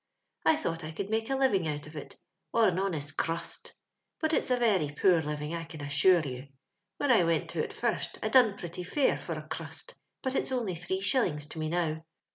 *' I thought I could make a living ont of it, or an honest currust, but it's a very poor liv ing, I can assure you. When I went to it first, I done pretty fair for a currust ; but it's onJy three shillings to me now.